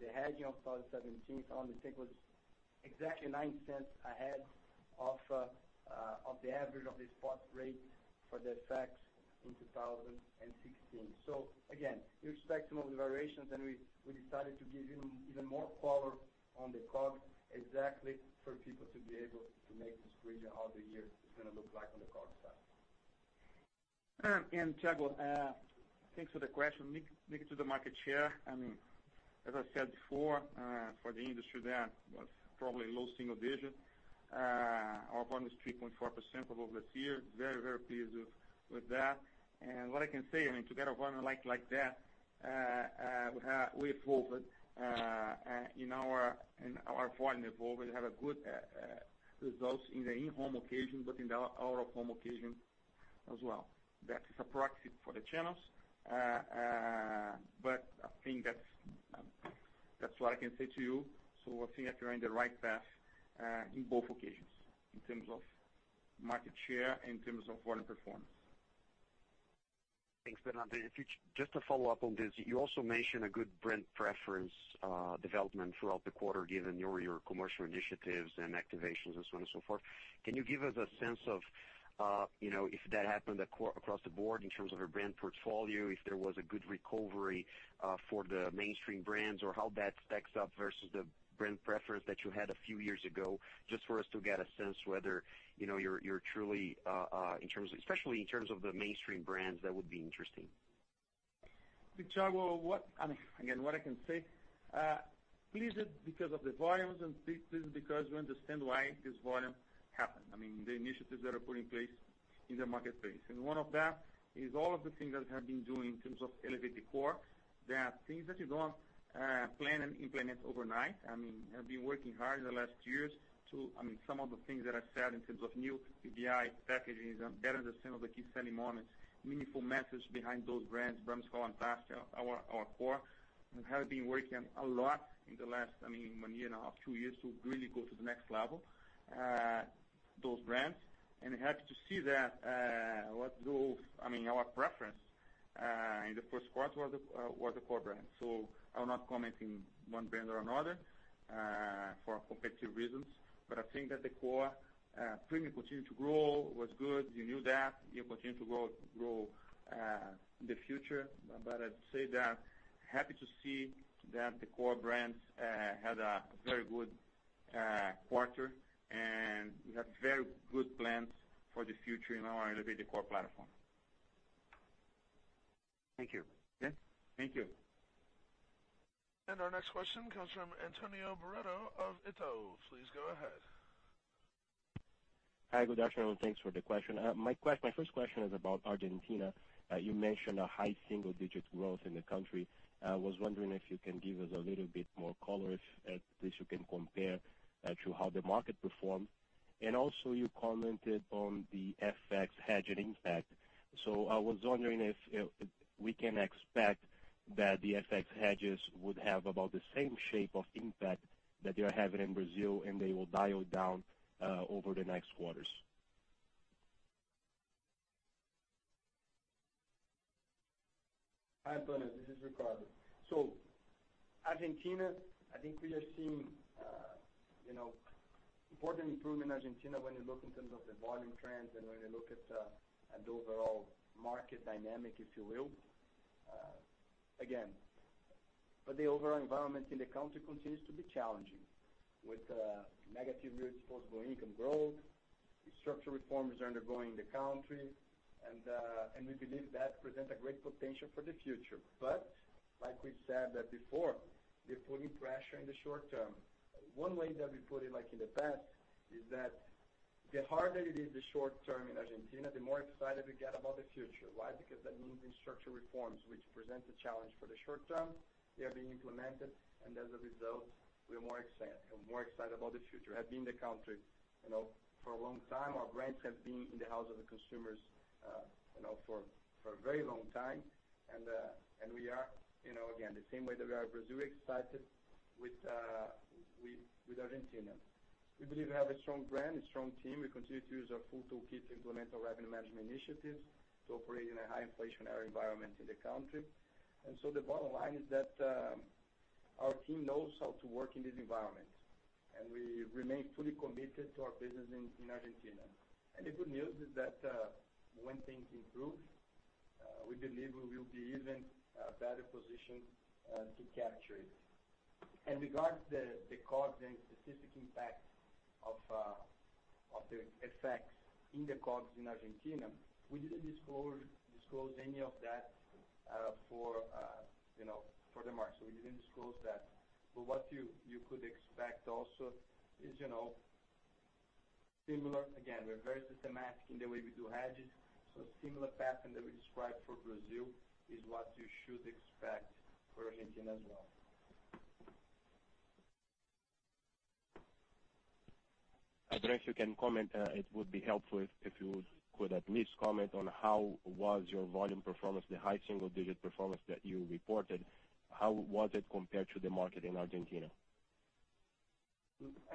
The hedging of 2017 on the take was exactly 0.09 ahead of the average of the spot rate for the FX in 2016. Again, we expect some of the variations, and we decided to give even more color on the COGS exactly for people to be able to make this bridge how the year is gonna look like on the COGS side. Thiago, thanks for the question. Moving to the market share, I mean, as I said before, for the industry there was probably low single digit. Our volume is 3.4% above last year. Very pleased with that. What I can say, I mean, to get a volume like that, we have good results in the in-home occasion, but in the out-of-home occasion as well. That is a proxy for the channels. I think that's what I can say to you. I think that we're on the right path in both occasions in terms of market share, in terms of volume performance. Thanks, Bernardo. Just to follow up on this, you also mentioned a good brand preference development throughout the quarter given your commercial initiatives and activations and so on and so forth. Can you give us a sense of if that happened across the board in terms of your brand portfolio, if there was a good recovery for the mainstream brands, or how that stacks up versus the brand preference that you had a few years ago, just for us to get a sense whether you're truly especially in terms of the mainstream brands, that would be interesting. Thiago, I mean, again, what I can say, pleased because of the volumes and pleased because we understand why this volume happened. I mean, the initiatives that are put in place in the marketplace. One of that is all of the things that have been doing in terms of Elevate the Core, that things that you don't plan and implement overnight. I mean, have been working hard in the last years. I mean, some of the things that I said in terms of new PPI packagings and better understand of the key selling moments, meaningful methods behind those brands, Brahma, Skol, and Brahma, our core. We have been working a lot in the last, I mean, one year and a half, two years, to really go to the next level, those brands, and happy to see that, I mean our preference in the first quarter was the Core brand. I'm not commenting one brand or another for competitive reasons, but I think that the Core Premium continued to grow, was good. You knew that. You continue to grow in the future. I'd say happy to see that the Core brands had a very good quarter, and we have very good plans for the future in our Elevate the Core platform. Thank you. Yeah. Thank you. Our next question comes from Antonio Barreto of Itaú. Please go ahead. Hi. Good afternoon. Thanks for the question. My first question is about Argentina. You mentioned a high single-digit growth in the country. I was wondering if you can give us a little bit more color, if at least you can compare to how the market performed. Also you commented on the FX hedging impact. I was wondering if we can expect that the FX hedges would have about the same shape of impact that they're having in Brazil, and they will dial down over the next quarters. Hi, Antonio. This is Ricardo. Argentina, I think we are seeing, you know, important improvement in Argentina when you look in terms of the volume trends and when you look at at the overall market dynamic, if you will. Again, the overall environment in the country continues to be challenging with negative real disposable income growth, structural reforms undergoing the country, and we believe that presents a great potential for the future. Like we've said that before, they're putting pressure in the short term. One way that we put it, like in the past, is that the harder it is in the short term in Argentina, the more excited we get about the future. Why? Because that means the structural reforms which present the challenge for the short term, they are being implemented, and as a result, we are more excited about the future. We have been in the country, you know, for a long time. Our brands have been in the homes of the consumers, you know, for a very long time. We are, you know, again, the same way that we are excited with Brazil as with Argentina. We believe we have a strong brand, a strong team. We continue to use our full toolkit to implement our revenue management initiatives to operate in a high inflationary environment in the country. The bottom line is that our team knows how to work in this environment, and we remain fully committed to our business in Argentina. The good news is that, when things improve, we believe we will be even better positioned to capture it. In regard to the COGS and specific impact of the effects in the COGS in Argentina, we didn't disclose any of that, you know, for the market. We didn't disclose that. What you could expect also is, you know, similar. Again, we're very systematic in the way we do hedges. Similar pattern that we described for Brazil is what you should expect for Argentina as well. I don't know if you can comment, it would be helpful if you could at least comment on how was your volume performance, the high single digit performance that you reported, how was it compared to the market in Argentina?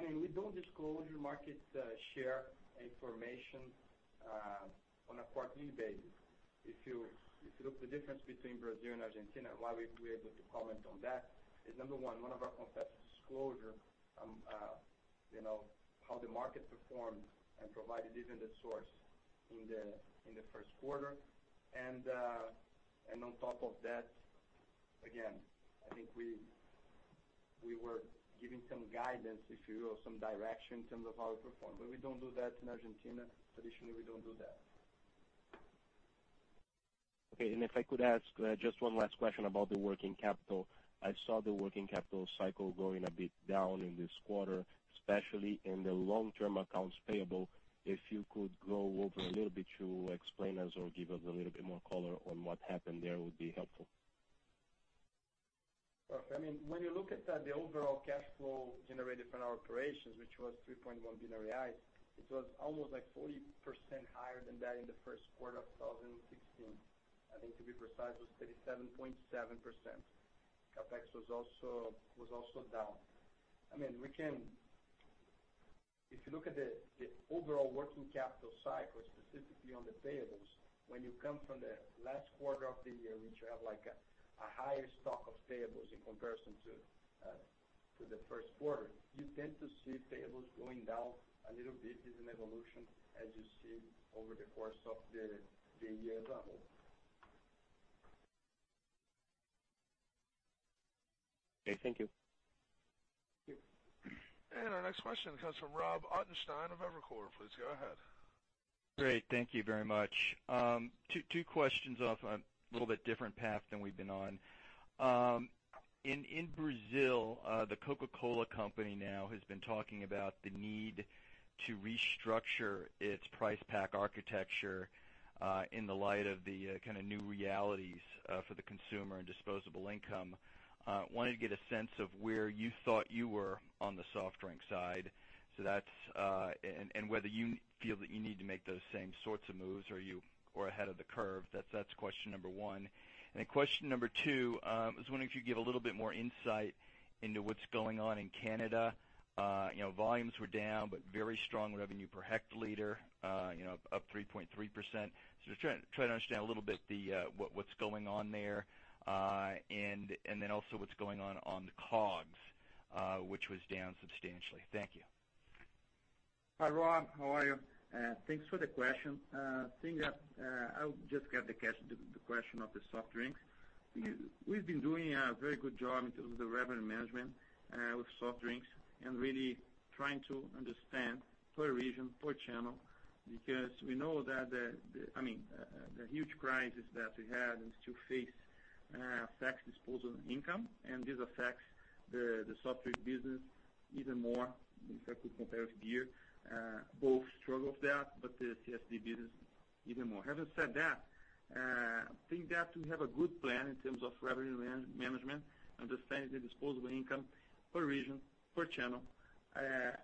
I mean, we don't disclose our market share information on a quarterly basis. If you look at the difference between Brazil and Argentina, why we're able to comment on that is, number one of our competitive disclosures on how the market performed and we provided even the source in the first quarter. On top of that, again, I think we were giving some guidance, if you will, some direction in terms of how we performed. We don't do that in Argentina. Traditionally, we don't do that. Okay. If I could ask, just one last question about the working capital. I saw the working capital cycle going a bit down in this quarter, especially in the long-term accounts payable. If you could go over a little bit to explain to us or give us a little bit more color on what happened there, that would be helpful. Of course. I mean, when you look at the overall cash flow generated from our operations, which was 3.1 billion reais, it was almost like 40% higher than that in the first quarter of 2016. I think to be precise, it was 37.7%. CapEx was also down. I mean, if you look at the overall working capital cycle, specifically on the payables, when you come from the last quarter of the year, which you have like a higher stock of payables in comparison to the first quarter, you tend to see payables going down a little bit, is an evolution as you see over the course of the year as a whole. Okay. Thank you. Our next question comes from Rob Ottenstein of Evercore. Please go ahead. Great. Thank you very much. Two questions off on a little bit different path than we've been on. In Brazil, the Coca-Cola Company now has been talking about the need to restructure its price pack architecture in the light of the kind of new realities for the consumer and disposable income. Wanted to get a sense of where you thought you were on the soft drink side and whether you feel that you need to make those same sorts of moves or ahead of the curve. That's question number one. Question number two, I was wondering if you could give a little bit more insight into what's going on in Canada. You know, volumes were down, but very strong revenue per hectoliter, you know, up 3.3%. Just trying to understand a little bit what's going on there, and then also what's going on on the COGS, which was down substantially. Thank you. Hi, Rob. How are you? Thanks for the question. Seeing that, I'll just get the question of the soft drinks. We've been doing a very good job in terms of the revenue management with soft drinks and really trying to understand per region, per channel, because we know that I mean, the huge crisis that we had and still face affects disposable income, and this affects the soft drink business even more if I could compare with beer. Both struggle with that, but the CSD business even more. Having said that, I think that we have a good plan in terms of revenue management, understanding the disposable income per region, per channel,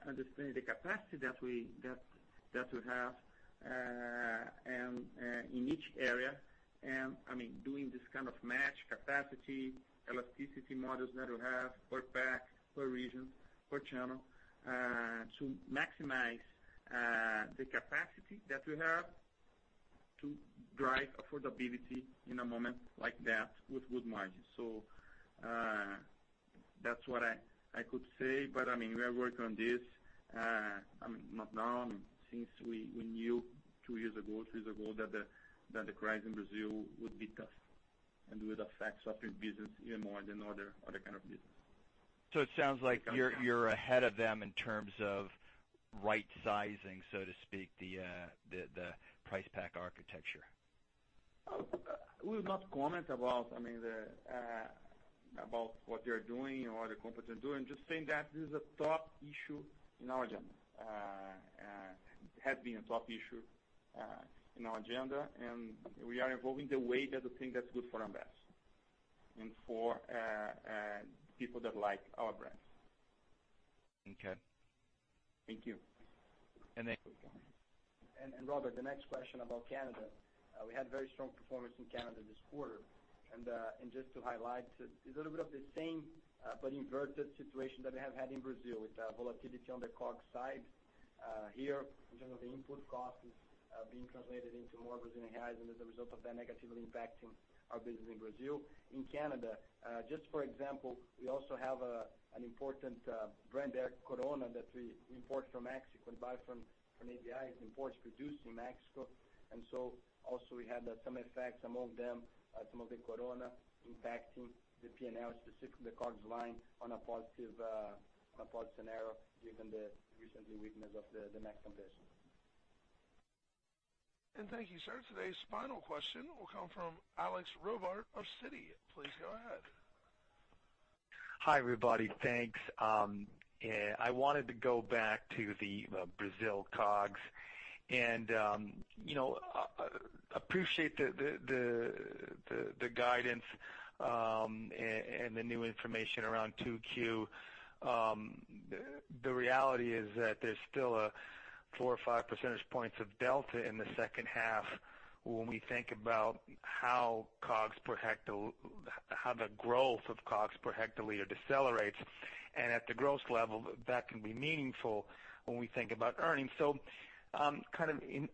understanding the capacity that we have and in each area. I mean, doing this kind of matching capacity, elasticity models that we have per pack, per region, per channel, to maximize the capacity that we have to drive affordability in a moment like that with good margins. That's what I could say. I mean, we are working on this, I mean, not now, I mean, since we knew two years ago, three years ago that the crisis in Brazil would be tough and would affect soft drink business even more than other kind of business. It sounds like you're ahead of them in terms of right sizing, so to speak, the price pack architecture. I would not comment, I mean, about what they're doing or what the competitors are doing. Just saying that this is a top issue in our agenda, has been a top issue, in our agenda. We are evolving the way that we think that's good for Ambev and for people that like our brands. Okay. Thank you. And then- Robert, the next question about Canada. We had very strong performance in Canada this quarter. Just to highlight, it's a little bit of the same, but inverted situation that we have had in Brazil with the volatility on the COGS side here in terms of the input costs being translated into more Brazilian reais and as a result of that negatively impacting our business in Brazil. In Canada, just for example, we also have an important brand there, Corona, that we import from Mexico and buy from ABI. It's imported, produced in Mexico. Also, we had some effects among them, some of the Corona impacting the P&L, specifically the COGS line on a positive scenario given the recent weakness of the Mexican peso. Thank you, sir. Today's final question will come from Alex Robarts of Citi. Please go ahead. Hi, everybody. Thanks. I wanted to go back to the Brazil COGS and, you know, appreciate the guidance and the new information around 2Q. The reality is that there's still a four or five percentage points of delta in the second half when we think about how the growth of COGS per hectoliter decelerates. At the growth level, that can be meaningful when we think about earnings. Kind of in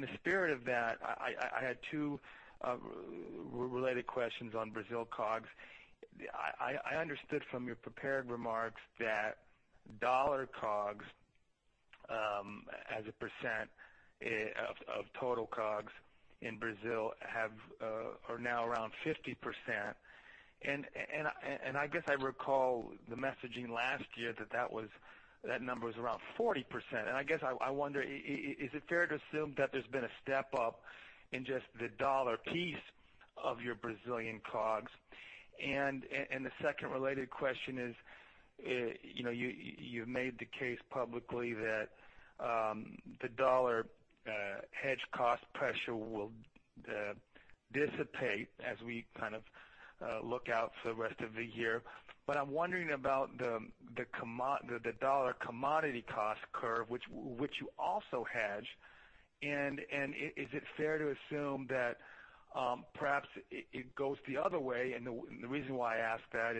the spirit of that, I had two related questions on Brazil COGS. I understood from your prepared remarks that dollar COGS as a percent of total COGS in Brazil are now around 50%. I guess I recall the messaging last year that number was around 40%. I guess I wonder is it fair to assume that there's been a step up in just the dollar piece of your Brazilian COGS? The second related question is, you've made the case publicly that the dollar hedge cost pressure will dissipate as we kind of look out for the rest of the year. I'm wondering about the dollar commodity cost curve, which you also hedge. Is it fair to assume that perhaps it goes the other way? The reason why I ask that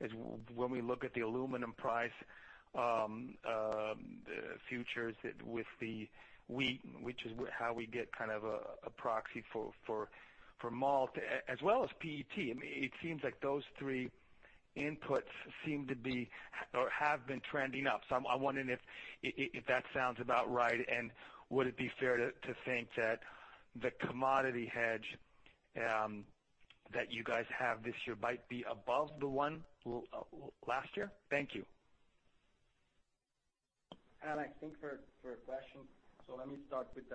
is when we look at the aluminum price futures with the wheat, which is how we get kind of a proxy for malt as well as PET. I mean, it seems like those three inputs seem to be or have been trending up. I'm wondering if that sounds about right, and would it be fair to think that the commodity hedge you guys have this year might be above the one last year? Thank you. Alex, thanks for your question. Let me start with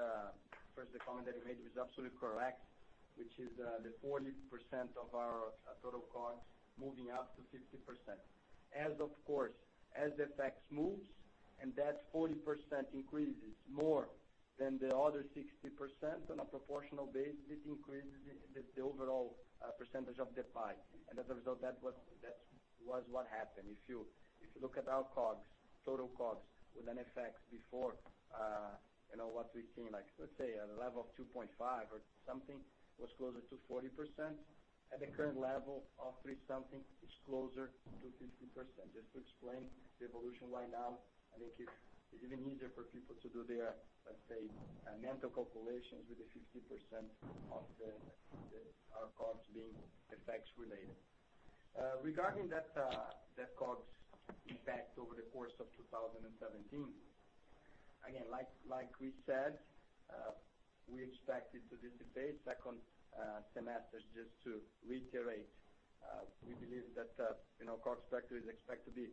first the comment that you made was absolutely correct, which is the 40% of our total cost moving up to 60%. Of course, as the FX effects move and that 40% increases more than the other 60% on a proportional basis, it increases the overall percentage of the pie. As a result, that was what happened. If you look at our costs, total costs with FX effects before, you know, what we've seen, like let's say at a level of 2.5 or something was closer to 40%. At the current level of three something is closer to 50%. Just to explain the evolution right now, I think it's even easier for people to do their, let's say, mental calculations with the 50% of our costs being FX related. Regarding that cost impact over the course of 2017, again, like we said, we expect it to dissipate in the second semester. Just to reiterate, we believe that, you know, cost structure is expected to be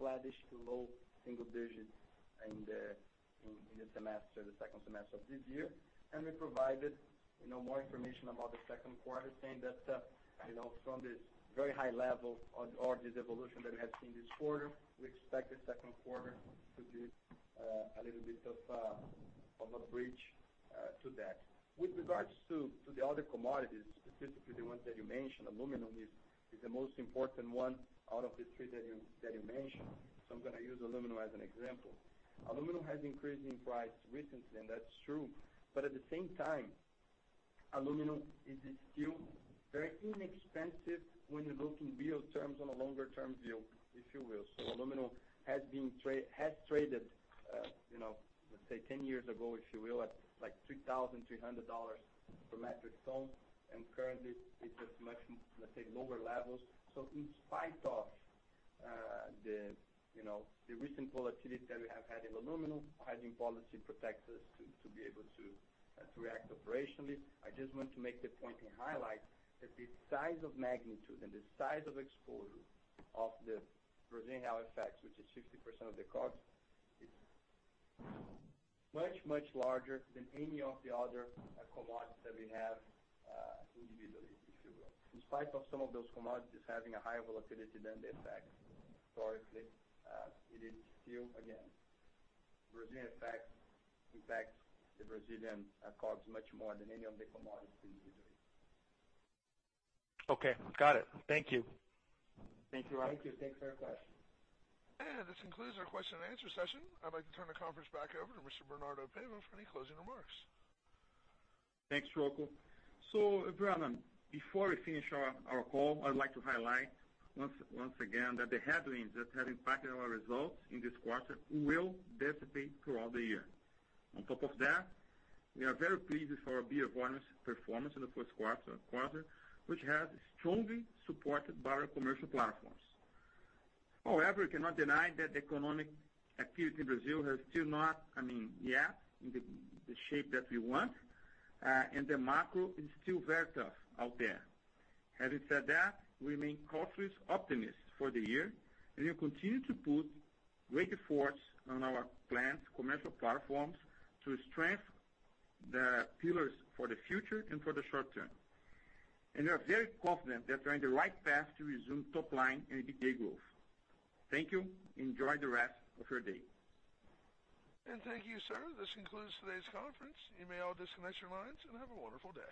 flattish to low single digits in the second semester of this year. We provided, you know, more information about the second quarter, saying that, you know, from this very high level or this evolution that we have seen this quarter, we expect the second quarter to be a little bit of a bridge to that. With regards to the other commodities, specifically the ones that you mentioned, aluminum is the most important one out of the three that you mentioned. I'm gonna use aluminum as an example. Aluminum has increased in price recently, and that's true, but at the same time, aluminum is still very inexpensive when you look in real terms on a longer-term view, if you will. Aluminum has traded, you know, let's say 10 years ago, if you will, at like BRL 3,300 per metric ton, and currently it's at much, let's say, lower levels. In spite of the recent volatility that we have had in aluminum, hedging policy protects us to be able to react operationally. I just want to make the point and highlight that the size of magnitude and the size of exposure of the Brazilian real FX effects, which is 60% of the cost, is much, much larger than any of the other commodities that we have, individually, if you will. In spite of some of those commodities having a higher volatility than the FX historically, it is still, again, Brazilian FX effects impacts the Brazilian costs much more than any of the commodities individually. Okay, got it. Thank you. Thank you, Alex. Thank you. Thanks for your question. This concludes our question-and- answer session. I'd like to turn the conference back over to Mr. Bernardo Paiva for any closing remarks. Thanks, Ricardo Rittes. Everyone, before we finish our call, I'd like to highlight once again that the headwinds that have impacted our results in this quarter will dissipate throughout the year. On top of that, we are very pleased with our beer volumes performance in the first quarter, which has strongly supported by our commercial platforms. However, we cannot deny that the economic activity in Brazil has still not, I mean, yet in the shape that we want, and the macro is still very tough out there. Having said that, we remain cautiously optimistic for the year, and we'll continue to put greater force on our planned commercial platforms to strengthen the pillars for the future and for the short term. We are very confident that we're on the right path to resume top line and EBITDA growth. Thank you. Enjoy the rest of your day. Thank you, sir. This concludes today's conference. You may all disconnect your lines and have a wonderful day.